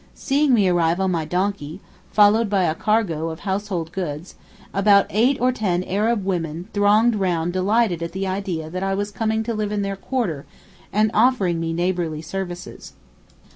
Seeing me arrive on my donkey, followed by a cargo of household goods, about eight or ten Arab women thronged round delighted at the idea that I was coming to live in their quarter, and offering me neighbourly services.